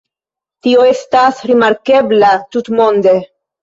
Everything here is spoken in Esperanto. Tio estas rimarkebla tutmonde.